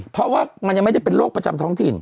เพราะว่ามันยังไม่ได้เป็นโรคประจำท้องถิ่น